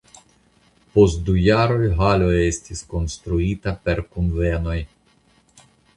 Post du jaroj halo estis konstruita por kunvenoj.